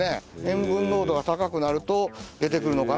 塩分濃度が高くなると出てくるのかな。